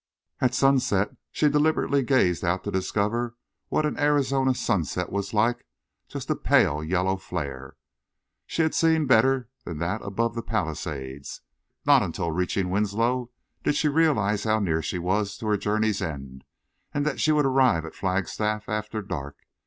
At sunset she deliberately gazed out to discover what an Arizona sunset was like just a pale yellow flare! She had seen better than that above the Palisades. Not until reaching Winslow did she realize how near she was to her journey's end and that she would arrive at Flagstaff after dark.